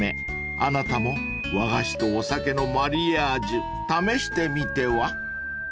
［あなたも和菓子とお酒のマリアージュ試してみては？］